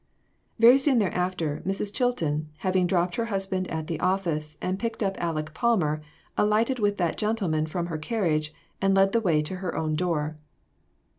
Very soon thereafter, Mrs. Chilton, having dropped her husband at the office, and picked up Aleck Palmer, alighted with that gentleman from her carriage, and led the way to her own door.